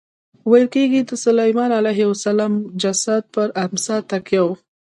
ویل کېږي د سلیمان علیه السلام جسد پر امسا تکیه و.